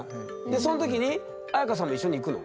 その時に綾華さんも一緒に行くの？